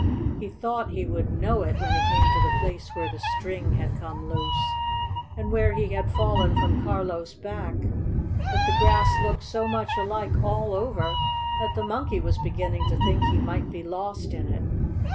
He thought he would know it when he came to the place where the string had come loose, and where he had fallen from Carlo's back, but the grass looked so much alike all over that the Monkey was beginning to think he might be lost in it.